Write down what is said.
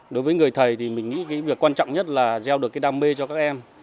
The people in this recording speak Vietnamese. đối với người thầy thì mình nghĩ việc quan trọng nhất là gieo được đam mê cho các em